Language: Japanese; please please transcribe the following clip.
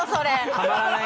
たまらない。